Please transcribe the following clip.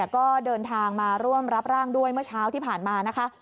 ก็เดินทางมาร่วมรับร่างด้วยเมื่อเช้าที่ผ่านมานะคะ